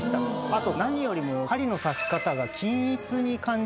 あと何よりも針の刺し方が均一に感じました。